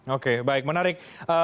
oke baik menarik